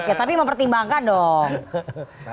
oke tapi mempertimbangkan dong